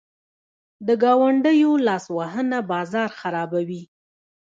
د ګاونډیو لاسوهنه بازار خرابوي.